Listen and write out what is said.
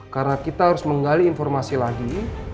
karena kita harus menggali informasi lagi